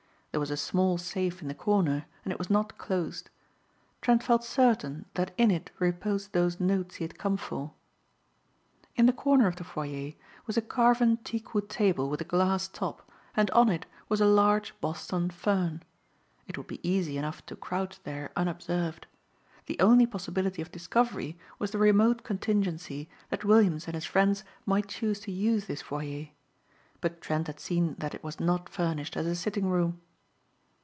There was a small safe in the corner and it was not closed. Trent felt certain that in it reposed those notes he had come for. In the corner of the foyer was a carven teakwood table with a glass top, and on it was a large Boston fern. It would be easy enough to crouch there unobserved. The only possibility of discovery was the remote contingency that Williams and his friends might choose to use this foyer. But Trent had seen that it was not furnished as a sitting room.